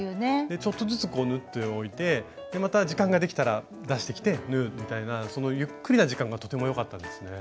ちょっとずつ縫っておいてまた時間ができたら出してきて縫うみたいなゆっくりな時間がとても良かったですね。